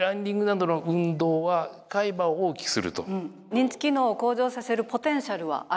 認知機能を向上させるポテンシャルはある。